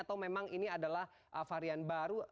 atau memang ini adalah varian baru